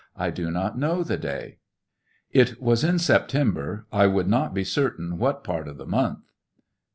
I do not know the day. It was in September ; I would not be certain what part of the month.